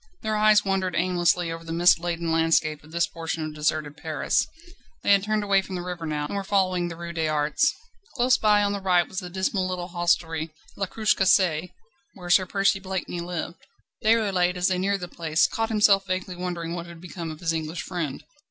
Their eyes wandered aimlessly over the mist laden landscape of this portion of deserted Paris. They had turned away from the river now, and were following the Rue des Arts. Close by on the right was the dismal little hostelry, "La Cruche Cassée," where Sir Percy Blakeney lived. Déroulède, as they neared the place, caught himself vaguely wondering what had become of his English friend.